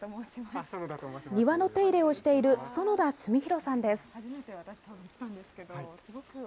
庭の手入れをしている園田純寛さんです。